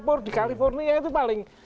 ya ada di california itu paling